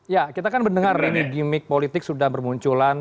ya kita kan mendengar ini gimmick politik sudah bermunculan